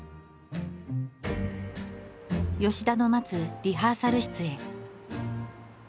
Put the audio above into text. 吉田の待つリハーサル室へ。